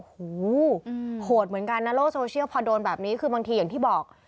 โอ้โหโหดเหมือนกันนะโลกโซเชียลพอโดนแบบนี้คือบางทีอย่างที่บอก